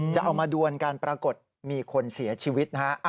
จะเอามาดวนกันปรากฏมีคนเสียชีวิตนะฮะ